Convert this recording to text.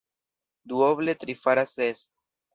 Duoble tri faras ses.